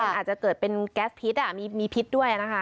มันอาจจะเกิดเป็นแก๊สพิษมีพิษด้วยนะคะ